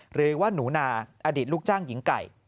หรือว่าหนูนาอดีตลูกจ้างหญิงไก่